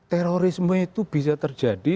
terorisme itu bisa terjadi